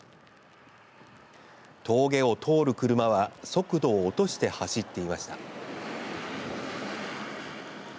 峠を通る車は速度を落として走っていました。